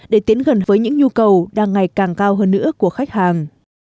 để tiến gần với những nhu cầu đang ngày càng cao hơn nữa của khách hàng